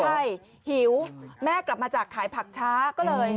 ใช่หิวแม่กลับมาจากขายผักช้าก็เลย